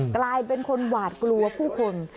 กลายเป็นคนหวาดกลัวผู้คน